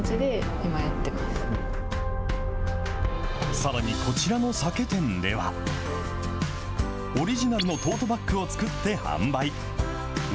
さらにこちらの酒店では、オリジナルのトートバッグを作って販売。